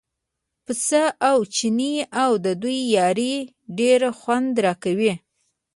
پسه او چینی او د دوی یاري ډېر خوند راکوي.